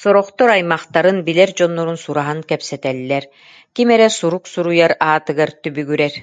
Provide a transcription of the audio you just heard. Сорохтор аймахтарын, билэр дьоннорун сураһан кэпсэтэллэр, ким эрэ сурук суруйар аатыгар түбүгүрэр